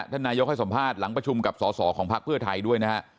นายกให้สัมภาษณ์หลังประชุมกับสอสอของพักเพื่อไทยด้วยนะฮะ